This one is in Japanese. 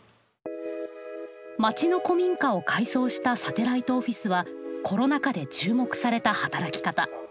町の古民家を改装したサテライトオフィスはコロナ下で注目された働き方。